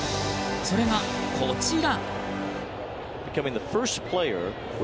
それが、こちら！